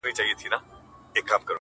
پر نیم ولس مو بنده چي د علم دروازه وي,